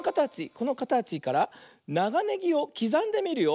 このかたちからながネギをきざんでみるよ。